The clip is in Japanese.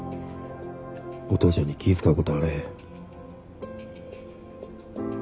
お父ちゃんに気ぃ遣うことあれへん。